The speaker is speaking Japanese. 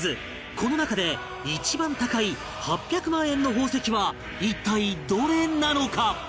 この中で一番高い８００万円の宝石は一体どれなのか？